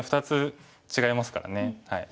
２つ違いますからね。